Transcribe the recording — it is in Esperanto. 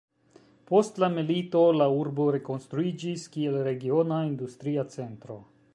Post la milito la urbo rekonstruiĝis kiel regiona industria centro.